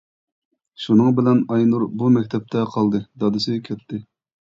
شۇنىڭ بىلەن ئاينۇر بۇ مەكتەپتە قالدى دادىسى كەتتى.